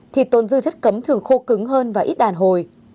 thì tồn dư chất cấm thường khô cứng hơn và ít đàn hồi